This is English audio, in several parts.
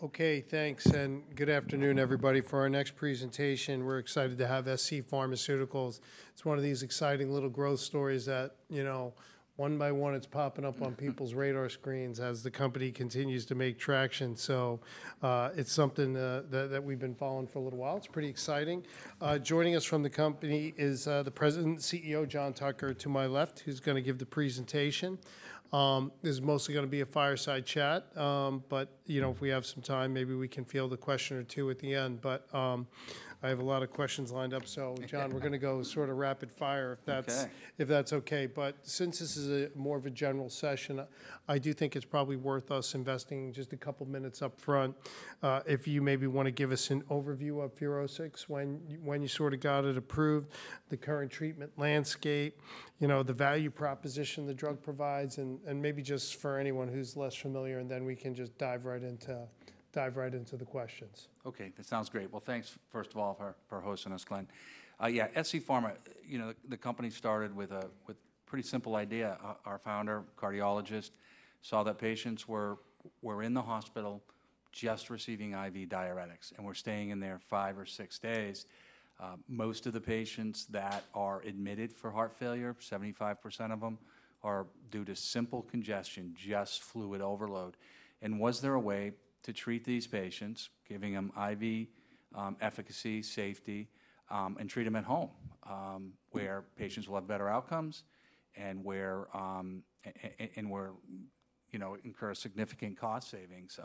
Okay, thanks, and good afternoon, everybody. For our next presentation, we're excited to have scPharmaceuticals. It's one of these exciting little growth stories that, you know, one by one, it's popping up on people's radar screens as the company continues to make traction. So, it's something that we've been following for a little while. It's pretty exciting. Joining us from the company is the President and CEO, John Tucker, to my left, who's gonna give the presentation. This is mostly gonna be a fireside chat, but, you know, if we have some time, maybe we can field a question or two at the end. But, I have a lot of questions lined up, so John, we're gonna go sort of rapid fire Okay if that's, if that's okay. But since this is more of a general session, I do think it's probably worth us investing just a couple minutes up front, if you maybe wanna give us an overview of FUROSCIX, when you sorta got it approved, the current treatment landscape, you know, the value proposition the drug provides, and maybe just for anyone who's less familiar, and then we can just dive right into, dive right into the questions. Okay, that sounds great. Well, thanks, first of all, for hosting us, Glen. Yeah, scPharma, you know, the company started with a pretty simple idea. Our founder, cardiologist, saw that patients were in the hospital just receiving IV diuretics and were staying in there five or six days. Most of the patients that are admitted for heart failure, 75% of them, are due to simple congestion, just fluid overload. And was there a way to treat these patients, giving them IV efficacy, safety, and treat them at home, where patients will have better outcomes and where, you know, incur significant cost savings?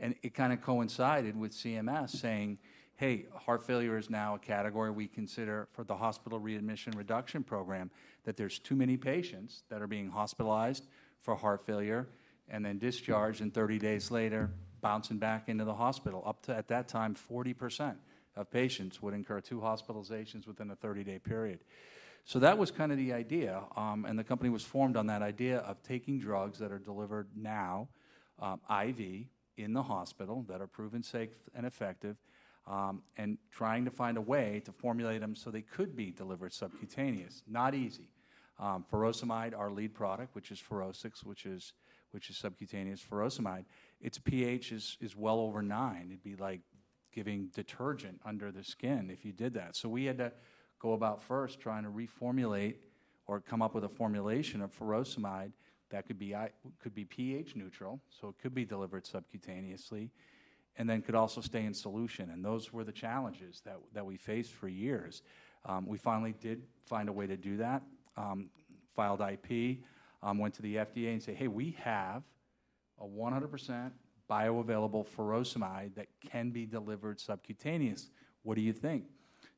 And it kind of coincided with CMS saying: Hey, heart failure is now a category we consider for the Hospital Readmissions Reduction Program, that there's too many patients that are being hospitalized for heart failure and then discharged, and 30 days later, bouncing back into the hospital. Up to, at that time, 40% of patients would incur two hospitalizations within a 30-day period. So that was kind of the idea, and the company was formed on that idea of taking drugs that are delivered now, IV in the hospital that are proven safe and effective, and trying to find a way to formulate them so they could be delivered subcutaneous. Not easy. Furosemide, our lead product, which is FUROSCIX, which is subcutaneous furosemide, its pH is well over 9. It'd be like giving detergent under the skin if you did that. So we had to go about first trying to reformulate or come up with a formulation of furosemide that could be pH neutral, so it could be delivered subcutaneously and then could also stay in solution. And those were the challenges that, that we faced for years. We finally did find a way to do that, filed IP, went to the FDA and said: Hey, we have a 100% bioavailable furosemide that can be delivered subcutaneous. What do you think?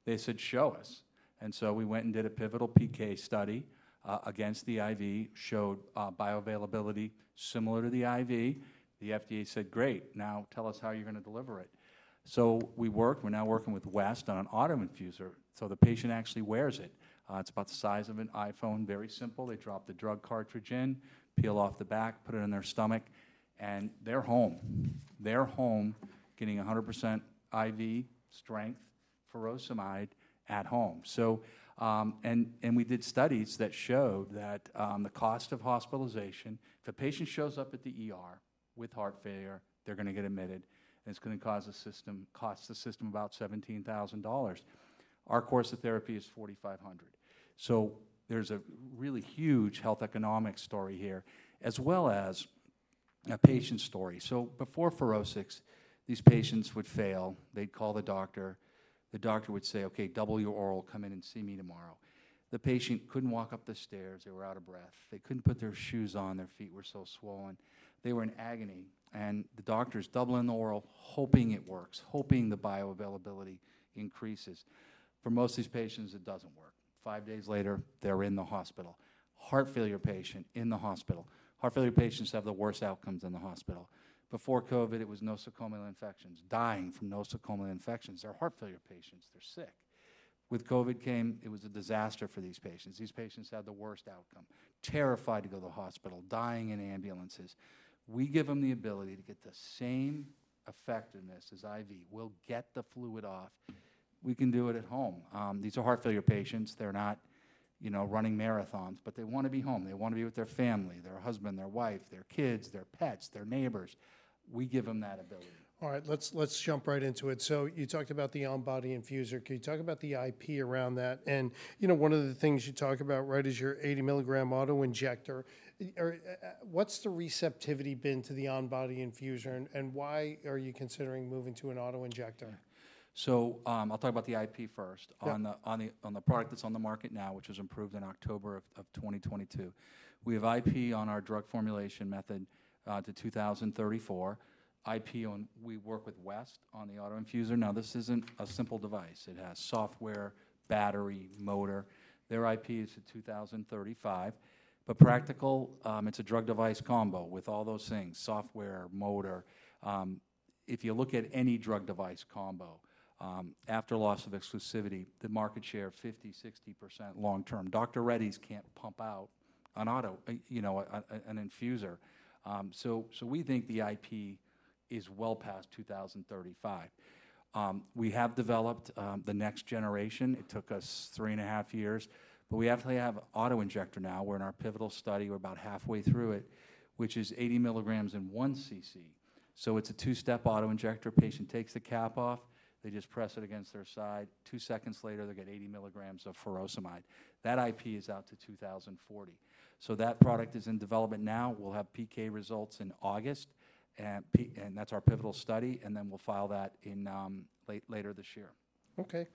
They said, "Show us." And so we went and did a pivotal PK study, against the IV, showed, bioavailability similar to the IV. The FDA said, "Great, now tell us how you're gonna deliver it." So we worked. We're now working with West on an auto infuser, so the patient actually wears it. It's about the size of an iPhone, very simple. They drop the drug cartridge in, peel off the back, put it in their stomach, and they're home. They're home, getting 100% IV strength furosemide at home. So, we did studies that showed that, the cost of hospitalization, if a patient shows up at the ER with heart failure, they're gonna get admitted, and it's gonna cause the system, cost the system about $17,000. Our course of therapy is $4,500. So there's a really huge health economic story here, as well as a patient story. So before FUROSCIX, these patients would fail. They'd call the doctor, the doctor would say, "Okay, double your oral, come in and see me tomorrow." The patient couldn't walk up the stairs. They were out of breath. They couldn't put their shoes on, their feet were so swollen. They were in agony, and the doctor's doubling the oral, hoping it works, hoping the bioavailability increases. For most of these patients, it doesn't work. Five days later, they're in the hospital. Heart failure patient in the hospital. Heart failure patients have the worst outcomes in the hospital. Before COVID, it was nosocomial infections, dying from nosocomial infections. They're heart failure patients. They're sick. With COVID came, it was a disaster for these patients. These patients had the worst outcome, terrified to go to the hospital, dying in ambulances. We give them the ability to get the same effectiveness as IV. We'll get the fluid off. We can do it at home. These are heart failure patients. They're not, you know, running marathons, but they wanna be home. They wanna be with their family, their husband, their wife, their kids, their pets, their neighbors. We give them that ability. All right, let's, let's jump right into it. So you talked about the on-body infuser. Can you talk about the IP around that? And, you know, one of the things you talk about, right, is your 80-milligram auto-injector. What's the receptivity been to the on-body infuser, and why are you considering moving to an auto-injector? So, I'll talk about the IP first on the product that's on the market now, which was approved in October of 2022. We have IP on our drug formulation method to 2034, IP on We work with West on the auto infuser. Now, this isn't a simple device. It has software, battery, motor. Their IP is to 2035. But practical, it's a drug device combo with all those things, software, motor. If you look at any drug device combo, after loss of exclusivity, the market share 50%-60% long term. Dr. Reddy's can't pump out an auto, you know, an infuser. So we think the IP is well past 2035. We have developed the next generation. It took us three and a half years, but we actually have an auto-injector now. We're in our pivotal study. We're about halfway through it, which is 80 milligrams in 1 cc. So it's a two-step auto-injector. Patient takes the cap off, they just press it against their side. 2 seconds later, they get 80 milligrams of furosemide. That IP is out to 2040. So that product is in development now. We'll have PK results in August, and that's our pivotal study, and then we'll file that in later this year. Okay,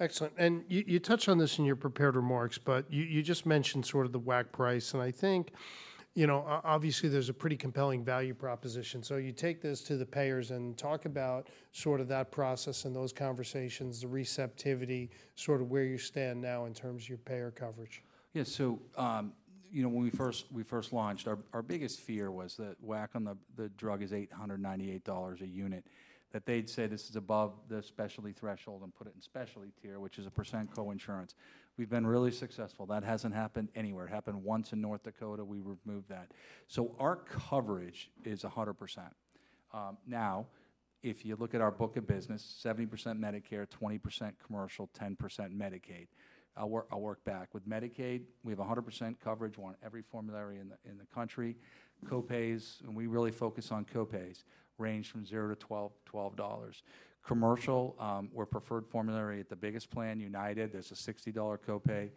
excellent. And you touched on this in your prepared remarks, but you just mentioned sort of the WAC price, and I think, you know, obviously there's a pretty compelling value proposition. So you take this to the payers and talk about sort of that process and those conversations, the receptivity, sort of where you stand now in terms of your payer coverage. Yeah. So, you know, when we first launched, our biggest fear was that WAC on the drug is $898 a unit, that they'd say this is above the specialty threshold and put it in specialty tier, which is a % coinsurance. We've been really successful. That hasn't happened anywhere. It happened once in North Dakota. We removed that. So our coverage is 100%. Now, if you look at our book of business, 70% Medicare, 20 commercial, 10% Medicaid. I'll work back. With Medicaid, we have 100% coverage. We're on every formulary in the country. Copays, and we really focus on copays, range from $0 to $12. Commercial, we're preferred formulary at the biggest plan, United, there's a $60 copay.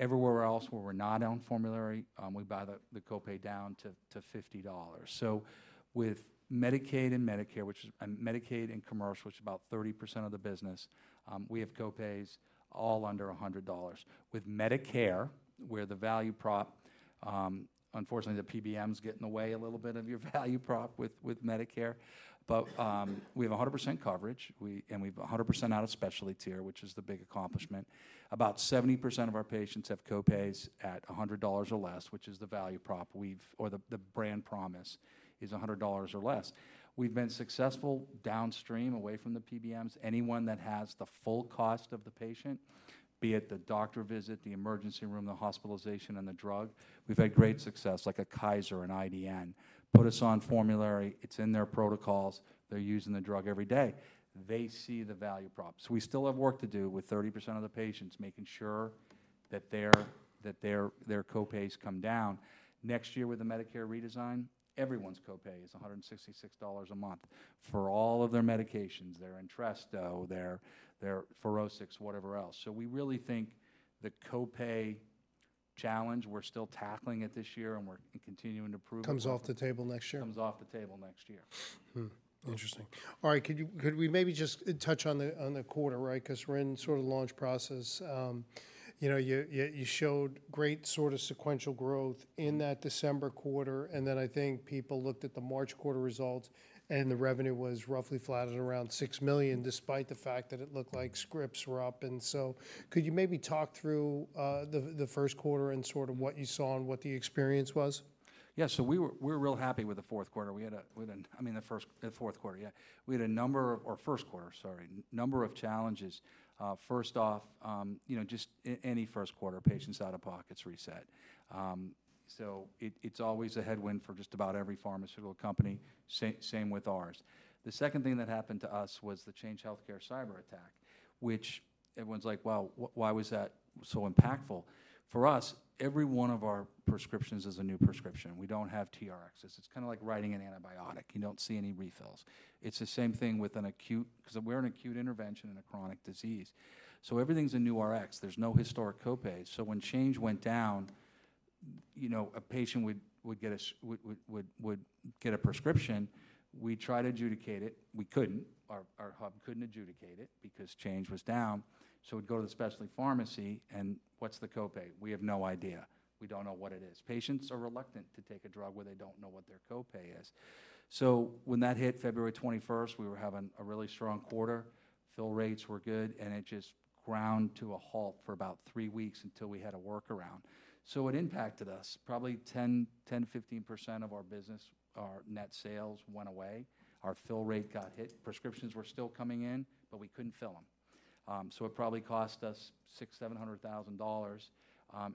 Everywhere else where we're not on formulary, we buy the copay down to $50. So with Medicaid and Medicare, which is Medicaid and commercial, which is about 30% of the business, we have copays all under $100. With Medicare, where the value prop, unfortunately, the PBMs get in the way a little bit of your value prop with Medicare. But, we have 100% coverage, and we've 100% out of specialty tier, which is the big accomplishment. About 70% of our patients have copays at $100 or less, which is the value prop we've or the brand promise is $100 or less. We've been successful downstream, away from the PBMs. Anyone that has the full cost of the patient, be it the doctor visit, the emergency room, the hospitalization, and the drug, we've had great success, like a Kaiser and IDN. Put us on formulary, it's in their protocols, they're using the drug every day. They see the value prop. So we still have work to do with 30% of the patients, making sure that their copays come down. Next year with the Medicare redesign, everyone's copay is $166 a month for all of their medications, their Entresto, their FUROSCIX, whatever else. So we really think the copay challenge, we're still tackling it this year, and we're continuing to prove Comes off the table next year? Comes off the table next year. Hmm. Interesting. All right, could we maybe just touch on the quarter, right? 'Cause we're in sort of launch process. You know, you showed great sort of sequential growth in that December quarter, and then I think people looked at the March quarter results, and the revenue was roughly flat at around $6 million, despite the fact that it looked like scripts were up. And so could you maybe talk through the first quarter and sort of what you saw and what the experience was? Yeah. So we're real happy with the fourth quarter. We had a, I mean the first, fourth quarter, yeah. We had a number. Or first quarter, sorry, number of challenges. First off, you know, just any first quarter, patients' out-of-pockets reset. So it, it's always a headwind for just about every pharmaceutical company. Same with ours. The second thing that happened to us was the Change Healthcare cyber attack, which everyone's like: "Well, why was that so impactful?" For us, every one of our prescriptions is a new prescription. We don't have TRXs. It's kinda like writing an antibiotic. You don't see any refills. It's the same thing with an acute 'cause we're an acute intervention in a chronic disease, so everything's a new Rx. There's no historic copay. So when Change went down, you know, a patient would get a prescription, we'd try to adjudicate it. We couldn't. Our hub couldn't adjudicate it because Change was down. So we'd go to the specialty pharmacy, and what's the copay? We have no idea. We don't know what it is. Patients are reluctant to take a drug where they don't know what their copay is. So when that hit February 21st, we were having a really strong quarter, fill rates were good, and it just ground to a halt for about three weeks until we had a workaround. So it impacted us. Probably 10%-15% of our business, our net sales went away. Our fill rate got hit. Prescriptions were still coming in, but we couldn't fill them. So it probably cost us $600,000-$700,000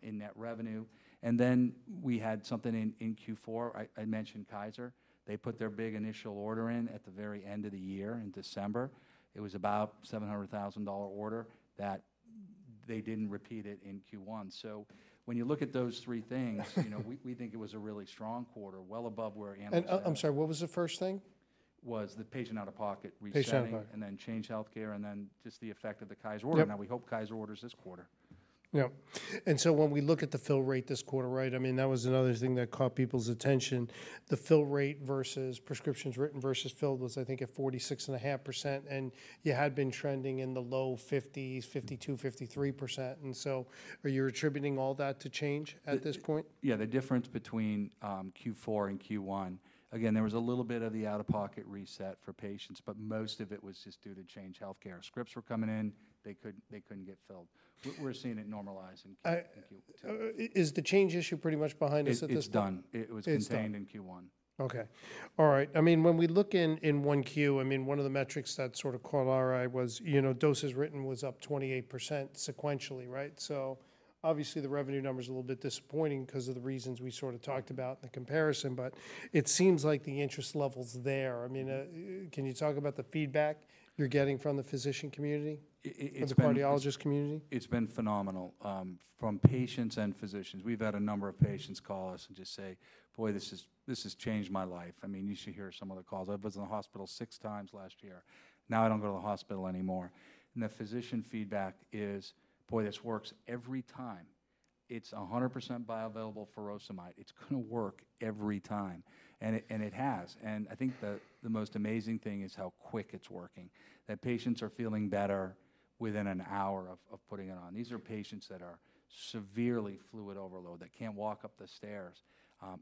in net revenue. And then we had something in Q4. I mentioned Kaiser. They put their big initial order in at the very end of the year in December. It was about $700,000 order that they didn't repeat it in Q1. So when you look at those three things, you know, we think it was a really strong quarter, well above where analysts- I'm sorry, what was the first thing? Was the patient out-of-pocket resetting? Patient out-of- and then Change Healthcare, and then just the effect of the Kaiser order. Yep. Now, we hope Kaiser orders this quarter. Yep. And so when we look at the fill rate this quarter, right, I mean, that was another thing that caught people's attention. The fill rate versus prescriptions written versus filled was, I think, at 46.5%, and you had been trending in the low 50s, 52%, 53%, and so are you attributing all that to Change Healthcare at this point? Yeah, the difference between Q4 and Q1, again, there was a little bit of the out-of-pocket reset for patients, but most of it was just due to Change Healthcare. Scripts were coming in, they couldn't get filled. We're seeing it normalize in Q1. Is the Change issue pretty much behind us at this point? It's done. It's done. It was contained in Q1. Okay. All right. I mean, when we look in 1Q, I mean, one of the metrics that sort of caught our eye was, you know, doses written was up 28% sequentially, right? So obviously, the revenue number's a little bit disappointing 'cause of the reasons we sort of talked about in the comparison, but it seems like the interest level's there. I mean, can you talk about the feedback you're getting from the physician community? It's been from the cardiologist community? It's been phenomenal from patients and physicians. We've had a number of patients call us and just say, "Boy, this has changed my life." I mean, you should hear some of the calls. "I was in the hospital 6 times last year. Now, I don't go to the hospital anymore." And the physician feedback is, "Boy, this works every time. It's 100% bioavailable furosemide. It's gonna work every time," and it has. And I think the most amazing thing is how quick it's working, that patients are feeling better within an hour of putting it on. These are patients that are severely fluid overload. They can't walk up the stairs,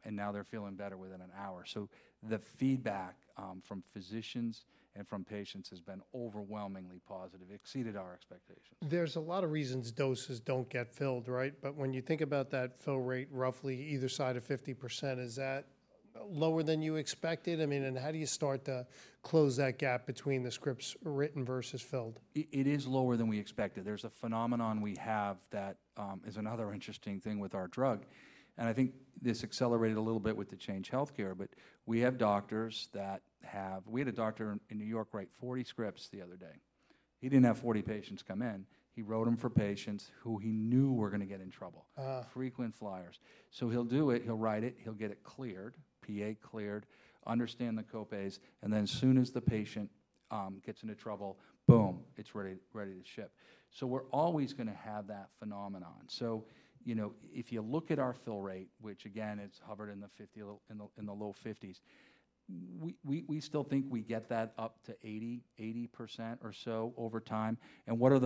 and now they're feeling better within an hour. So the feedback from physicians and from patients has been overwhelmingly positive. It exceeded our expectations. There's a lot of reasons doses don't get filled, right? But when you think about that fill rate, roughly either side of 50%, is that lower than you expected? I mean, and how do you start to close that gap between the scripts written versus filled? It is lower than we expected. There's a phenomenon we have that is another interesting thing with our drug, and I think this accelerated a little bit with the Change Healthcare. But we have doctors that have We had a doctor in New York write 40 scripts the other day. He didn't have 40 patients come in. He wrote them for patients who he knew were gonna get in trouble frequent flyers. So he'll do it, he'll write it, he'll get it cleared, PA cleared, understand the co-pays, and then as soon as the patient gets into trouble, boom! It's ready, ready to ship. So we're always gonna have that phenomenon. So, you know, if you look at our fill rate, which again, it's hovered in the 50s, in the low 50s, we still think we get that up to 80, 80% or so over time. And what are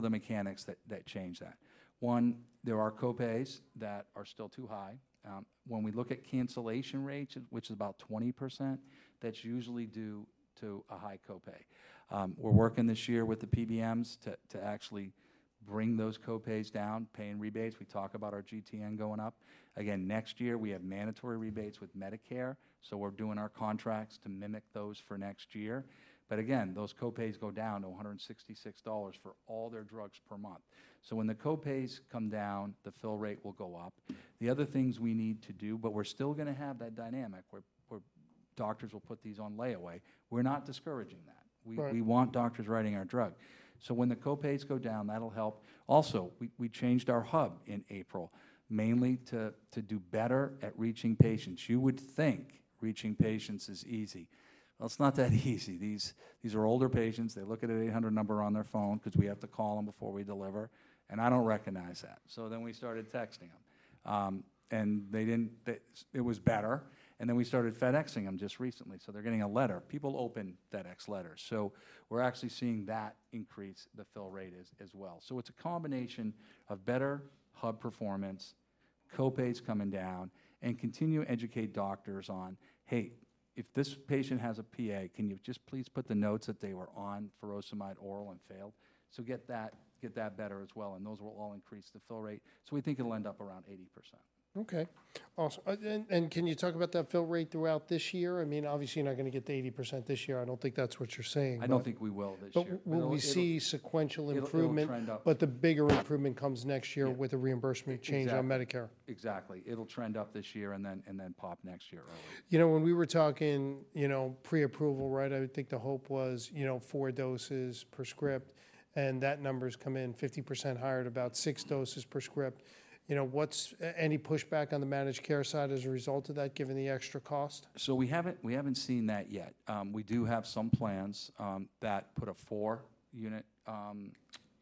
the mechanics that Change that? One, there are co-pays that are still too high. When we look at cancellation rates, which is about 20%, that's usually due to a high co-pay. We're working this year with the PBMs to actually bring those co-pays down, paying rebates. We talk about our GTN going up. Again, next year, we have mandatory rebates with Medicare, so we're doing our contracts to mimic those for next year. But again, those co-pays go down to $166 for all their drugs per month. So when the co-pays come down, the fill rate will go up. The other things we need to do. But we're still gonna have that dynamic, where doctors will put these on layaway. We're not discouraging that. Right. We want doctors writing our drug. So when the copays go down, that'll help. Also, we changed our hub in April, mainly to do better at reaching patients. You would think reaching patients is easy. Well, it's not that easy. These are older patients. They look at an 800 number on their phone, 'cause we have to call them before we deliver, and I don't recognize that. So then we started texting them. It was better, and then we started FedExing them just recently, so they're getting a letter. People open FedEx letters, so we're actually seeing that increase the fill rate as well. So it's a combination of better hub performance, copays coming down, and continue to educate doctors on, "Hey, if this patient has a PA, can you just please put the notes that they were on furosemide oral and failed?" So get that, get that better as well, and those will all increase the fill rate. So we think it'll end up around 80%. Okay, awesome. Then, and can you talk about that fill rate throughout this year? I mean, obviously, you're not gonna get to 80% this year. I don't think that's what you're saying. I don't think we will this year. But will we see sequential improvement- It'll trend up. but the bigger improvement comes next year. Yeah with a reimbursement change on Medicare? Exactly. It'll trend up this year and then, and then pop next year earlier. You know, when we were talking, you know, pre-approval, right, I would think the hope was, you know, 4 doses per script, and that number's come in 50% higher, at about 6 doses per script. You know, what's any pushback on the managed care side as a result of that, given the extra cost? We haven't seen that yet. We do have some plans that put a 4-unit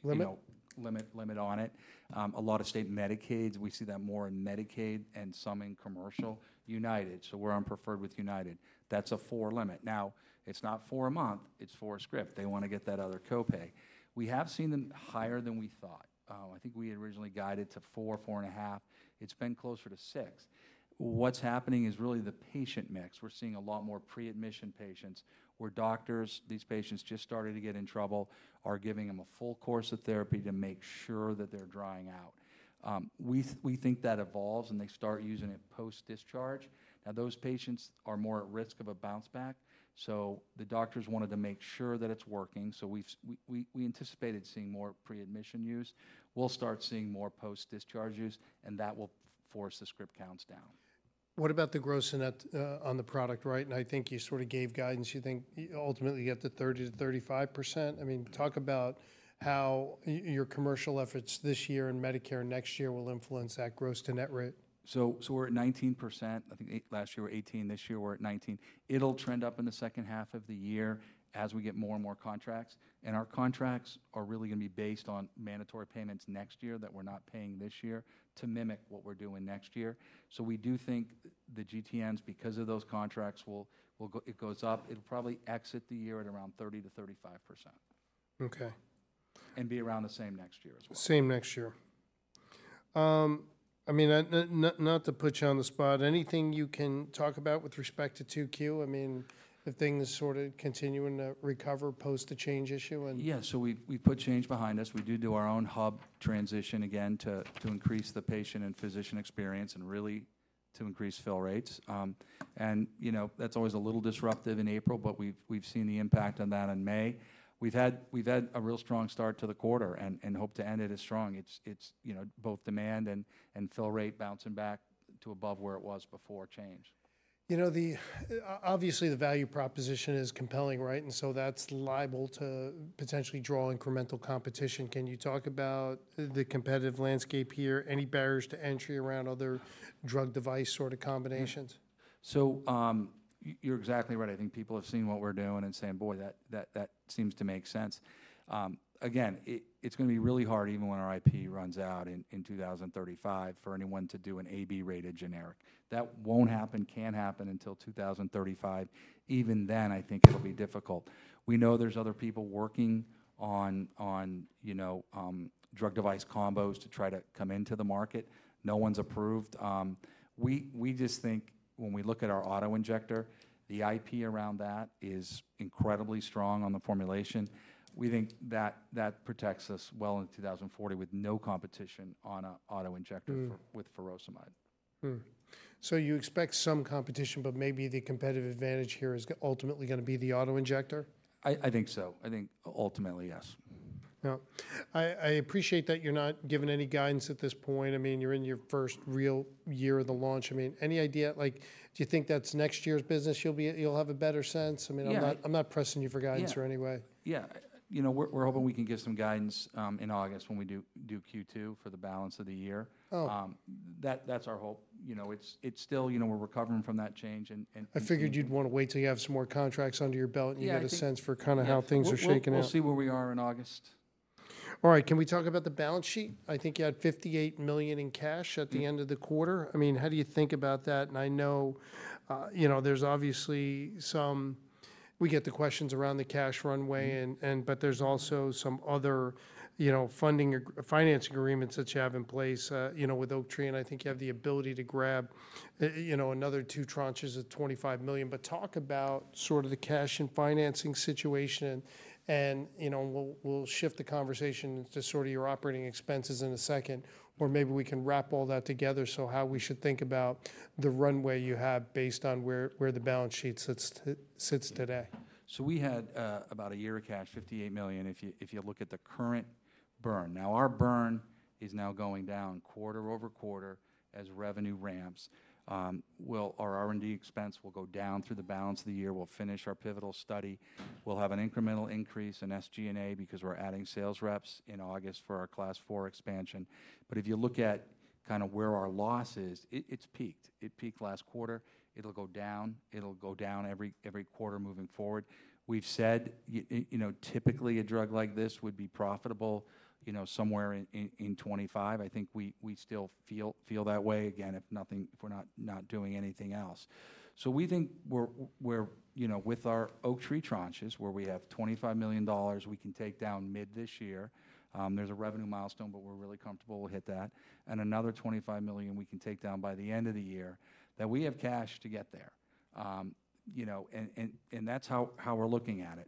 Limit? You know, limit, limit on it. A lot of state Medicaids, we see that more in Medicaid and some in commercial. United, so we're on Preferred with United, that's a 4 limit. Now, it's not 4 a month, it's 4 a script. They wanna get that other copay. We have seen them higher than we thought. I think we had originally guided to 4 - 4.5. It's been closer to 6. What's happening is really the patient mix. We're seeing a lot more pre-admission patients, where doctors, these patients just starting to get in trouble, are giving them a full course of therapy to make sure that they're drying out. We think that evolves, and they start using it post-discharge. Now, those patients are more at risk of a bounce back, so the doctors wanted to make sure that it's working. So we've anticipated seeing more pre-admission use. We'll start seeing more post-discharge use, and that will force the script counts down. What about the gross and net on the product, right? I think you sort of gave guidance. You think ultimately, you get to 30%-35%. I mean, talk about how your commercial efforts this year and Medicare next year will influence that gross to net rate. So, we're at 19%. I think last year, we were 18%. This year, we're at 19%. It'll trend up in the second half of the year as we get more and more contracts, and our contracts are really gonna be based on mandatory payments next year that we're not paying this year to mimic what we're doing next year. So we do think the GTNs, because of those contracts, will go- it goes up. It'll probably exit the year at around 30%-35%. Okay. Be around the same next year as well. Same next year. I mean, not to put you on the spot, anything you can talk about with respect to 2Q? I mean, the thing is sort of continuing to recover post the Change issue and- Yeah, so we've put Change behind us. We do our own hub transition again to increase the patient and physician experience and to increase fill rates. And, you know, that's always a little disruptive in April, but we've seen the impact on that in May. We've had a real strong start to the quarter and hope to end it as strong. It's, you know, both demand and fill rate bouncing back to above where it was before Change. You know, the, obviously, the value proposition is compelling, right? And so that's liable to potentially draw incremental competition. Can you talk about the competitive landscape here, any barriers to entry around other drug device sort of combinations? So, you're exactly right. I think people have seen what we're doing and saying, "Boy, that, that, that seems to make sense." Again, it's gonna be really hard even when our IP runs out in 2035 for anyone to do an AB-rated generic. That won't happen, can't happen until 2035. Even then, I think it'll be difficult. We know there's other people working on, you know, drug device combos to try to come into the market. No one's approved. We just think when we look at our auto-injector, the IP around that is incredibly strong on the formulation. We think that that protects us well into 2040 with no competition on a auto-injector-. with furosemide. Hmm. So you expect some competition, but maybe the competitive advantage here is ultimately gonna be the auto-injector? I think so. I think ultimately, yes. Yeah. I appreciate that you're not giving any guidance at this point. I mean, you're in your first real year of the launch. I mean, any idea, like, do you think that's next year's business, you'll have a better sense? Yeah. I mean, I'm not pressing you for guidance or anyway. Yeah. Yeah, you know, we're hoping we can give some guidance in August, when we do Q2 for the balance of the year. Oh. That's our hope. You know, it's still. You know, we're recovering from that Change, and- I figured you'd wanna wait till you have some more contracts under your belt Yeah, I think- and you have a sense for kind of how things are shaking up. We'll see where we are in August. All right. Can we talk about the balance sheet? I think you had $58 million in cash at the end of the quarter. I mean, how do you think about that? And I know, you know, there's obviously some. We get the questions around the cash runway and, and- But there's also some other, you know, funding or financing agreements that you have in place, you know, with Oaktree, and I think you have the ability to grab, you know, another two tranches of $25 million. But talk about sort of the cash and financing situation, and, you know, we'll, we'll shift the conversation into sort of your operating expenses in a second, or maybe we can wrap all that together. So how we should think about the runway you have based on where the balance sheet sits today. So we had about a year of cash, $58 million, if you, if you look at the current burn. Now, our burn is now going down quarter-over-quarter as revenue ramps. Well, our R&D expense will go down through the balance of the year. We'll finish our pivotal study. We'll have an incremental increase in SG&A because we're adding sales reps in August for our Class 4 expansion. But if you look at kind of where our loss is, it's peaked. It peaked last quarter. It'll go down. It'll go down every, every quarter moving forward. We've said you know, typically, a drug like this would be profitable, you know, somewhere in 2025. I think we still feel that way, again, if nothing, if we're not doing anything else. So we think we're you know, with our Oaktree tranches, where we have $25 million we can take down mid this year, there's a revenue milestone, but we're really comfortable we'll hit that, and another $25 million we can take down by the end of the year, that we have cash to get there. You know, and that's how we're looking at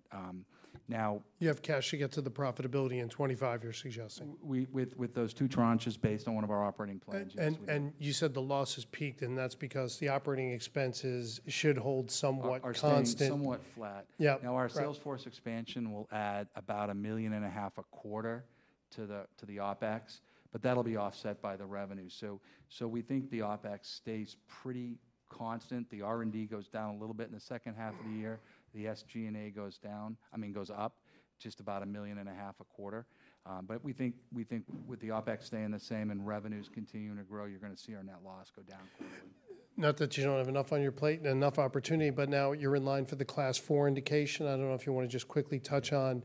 it. Now You have cash to get to the profitability in 2025, you're suggesting? We with those two tranches based on one of our operating plans, yes, we do. And you said the loss has peaked, and that's because the operating expenses should hold somewhat constant. Are staying somewhat flat. Yeah, correct. Now, our salesforce expansion will add about $1.5 million a quarter to the OpEx, but that'll be offset by the revenue. So we think the OpEx stays pretty constant. The R&D goes down a little bit in the second half of the year. The SG&A goes down—I mean, goes up—just about $1.5 million a quarter. But we think with the OpEx staying the same and revenues continuing to grow, you're gonna see our net loss go down quickly. Not that you don't have enough on your plate and enough opportunity, but now you're in line for the Class 4 indication. I don't know if you wanna just quickly touch on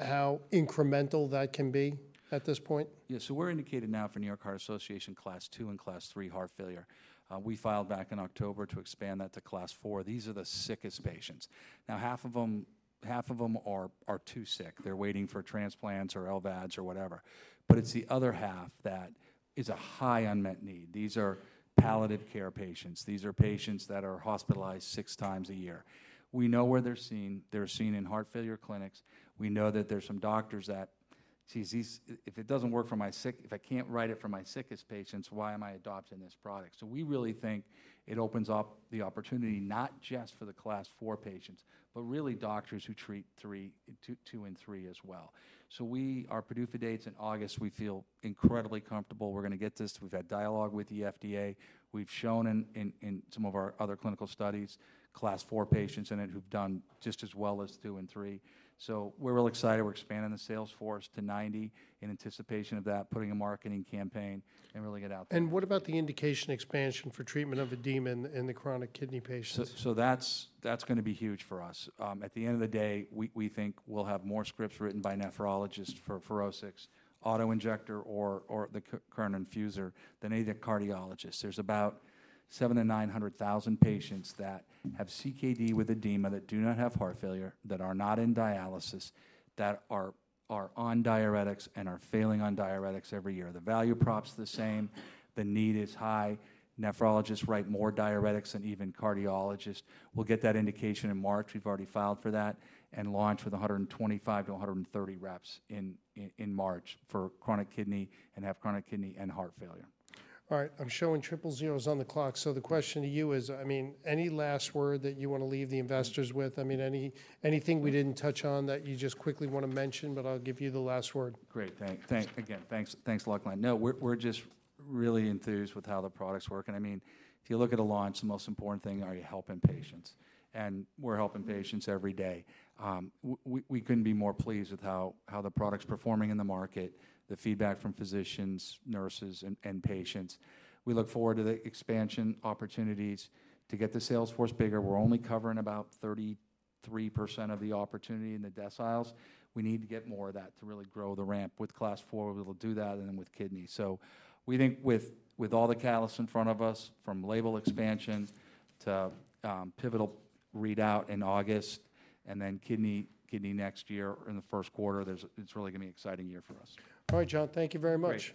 how incremental that can be at this point. Yeah. So we're indicated now for New York Heart Association Class 2 and Class 3 heart failure. We filed back in October to expand that to Class 4. These are the sickest patients. Now, half of them are too sick. They're waiting for transplants or LVADs or whatever. But it's the other half that is a high unmet need. These are palliative care patients. These are patients that are hospitalized six times a year. We know where they're seen. They're seen in heart failure clinics. We know that there's some doctors that. "See, if it doesn't work for my sickest patients, why am I adopting this product?" So we really think it opens up the opportunity not just for the Class 4 patients, but really doctors who treat 3, 2, 2 and 3 as well. So our PDUFA date's in August. We feel incredibly comfortable we're gonna get this. We've had dialogue with the FDA. We've shown in some of our other clinical studies, Class 4 patients in it, who've done just as well as 2 and 3. So we're real excited. We're expanding the sales force to 90 in anticipation of that, putting a marketing campaign and really get out there. What about the indication expansion for treatment of edema in the chronic kidney patients? So that's gonna be huge for us. At the end of the day, we think we'll have more scripts written by nephrologists for FUROSCIX auto-injector or the current infuser than any of the cardiologists. There's about 700,000-900,000 patients that have CKD with edema, that do not have heart failure, that are not in dialysis, that are on diuretics and are failing on diuretics every year. The value prop's the same. The need is high. Nephrologists write more diuretics than even cardiologists. We'll get that indication in March, we've already filed for that, and launch with 125-130 reps in March for chronic kidney and have chronic kidney and heart failure. All right, I'm showing triple zeros on the clock. So the question to you is, I mean, any last word that you wanna leave the investors with? I mean, anything we didn't touch on that you just quickly wanna mention, but I'll give you the last word. Great, thanks. Again, thanks a lot, Glen. No, we're just really enthused with how the product's working. I mean, if you look at a launch, the most important thing, are you helping patients? And we're helping patients every day. We couldn't be more pleased with how the product's performing in the market, the feedback from physicians, nurses, and patients. We look forward to the expansion opportunities to get the sales force bigger. We're only covering about 33% of the opportunity in the deciles. We need to get more of that to really grow the ramp. With Class 4, we'll be able do that, and then with kidney. So we think with all the catalysts in front of us, from label expansion to pivotal readout in August, and then kidney next year in the first quarter, it's really gonna be an exciting year for us. All right, John, thank you very much.